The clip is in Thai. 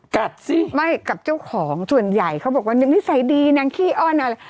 กัดสิไม่กับเจ้าของส่วนใหญ่เขาบอกว่านางนิสัยดีนางขี้อ้อนอะไร